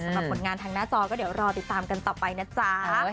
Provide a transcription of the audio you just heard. สำหรับผลงานทางหน้าจอก็เดี๋ยวรอติดตามกันต่อไปนะจ๊ะ